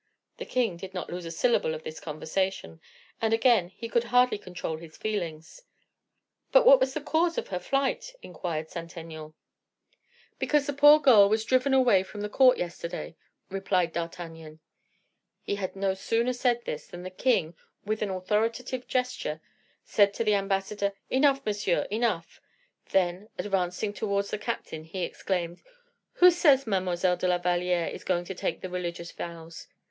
The king did not lose a syllable of this conversation; and again he could hardly control his feelings. "But what was the cause of her flight?" inquired Saint Aignan. "Because the poor girl was driven away from the court yesterday," replied D'Artagnan. He had no sooner said this, than the king, with an authoritative gesture, said to the ambassador, "Enough, monsieur, enough." Then, advancing towards the captain, he exclaimed: "Who says Mademoiselle de la Valliere is going to take the religious vows?" "M.